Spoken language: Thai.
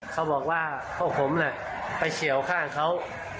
เขาบอกว่าพวกผมแหละไปเฉียวข้างเขา